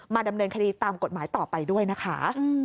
ดำเนินคดีตามกฎหมายต่อไปด้วยนะคะ